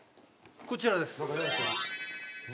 こちらです。